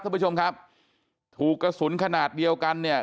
ท่านผู้ชมครับถูกกระสุนขนาดเดียวกันเนี่ย